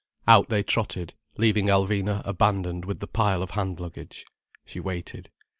Out they trotted, leaving Alvina abandoned with the pile of hand luggage. She waited.